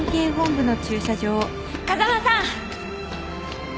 風間さん！